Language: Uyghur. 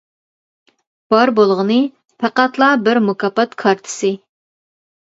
بار بولغىنى، پەقەتلا بىر مۇكاپات كارتىسى.